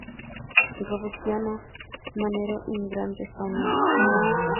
Robustiano Manero inmigrante español.